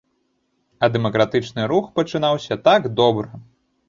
А дэмакратычны рух пачынаўся так добра.